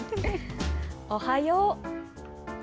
おはよう。